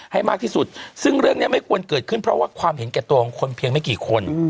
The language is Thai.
ให้มากที่สุดซึ่งเรื่องนี้ไม่ควรเกิดขึ้นเพราะว่าความเห็นแก่ตัวของคนเพียงไม่กี่คน